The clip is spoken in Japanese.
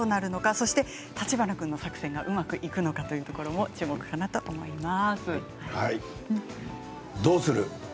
そして橘君の作戦がうまくいくのかっていうところも注目かなと思います。